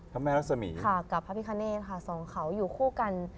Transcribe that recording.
พระแม่รักษมีค่ะกับพระพิคเนธค่ะสองเขาอยู่คู่กัน